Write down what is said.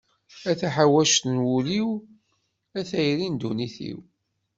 A taḥawact n wul-iw, a tayri n dunnit-iw.